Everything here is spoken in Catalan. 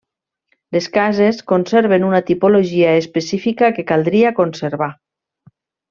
Les cases conserven una tipologia específica que caldria conservar.